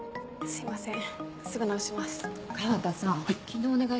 すいません。